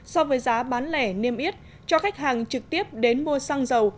so với giá bán lẻ niêm yết cho khách hàng trực tiếp đến mua xăng dầu